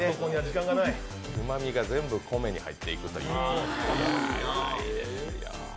うまみが全部、米に入っていくという。